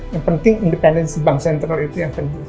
yang penting independensi bank sentral itu yang penting